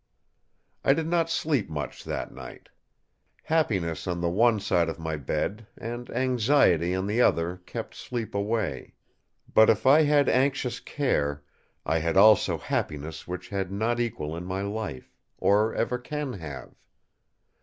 I did not sleep much that night. Happiness on the one side of my bed and Anxiety on the other kept sleep away. But if I had anxious care, I had also happiness which had not equal in my life—or ever can have.